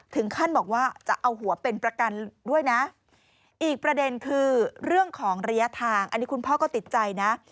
ถึงขั้นบอกว่าจะเอาหัวเป็นประกันด้วยนะอีกประเด็นคือเรื่องของระยะทางอันนี้คุณพ่อก็ติดใจนะ